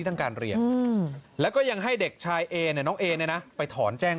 ทั้งการเรียนแล้วก็ยังให้เด็กชายเอเนี่ยน้องเอเนี่ยนะไปถอนแจ้ง